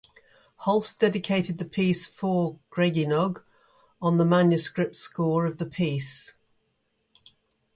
Holst dedicated the piece "for Gregynog" on the manuscript score of the piece.